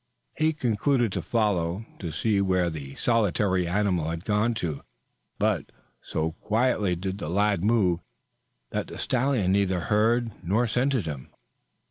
He concluded to follow, to see where the solitary animal had gone to. But so quietly did the lad move that the stallion neither heard nor scented him.